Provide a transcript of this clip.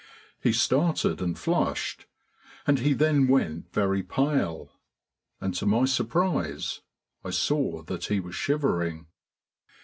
He started and flushed, and he then went very pale, and to my surprise I saw that he was shivering.